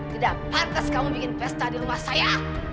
tidak pantas kamu bikin pesta di rumah saya